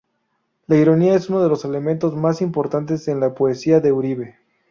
La ironía es uno de los elementos más importantes en la poesía de Uribe.